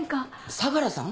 相良さん？